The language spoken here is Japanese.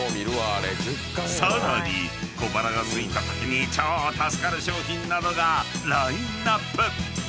［さらに小腹がすいたときに超助かる商品などがラインアップ］